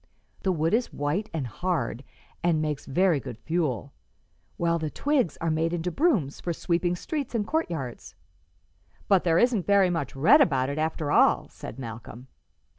The wood is white and hard and makes very good fuel, while the twigs are made into brooms for sweeping streets and courtyards." "But there isn't very much red about it, after all," said Malcolm.